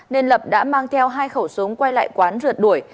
nên lập đã mang theo hai khẩu súng quay lại quán rượt đuổi